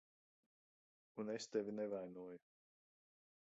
Un es tevi nevainoju.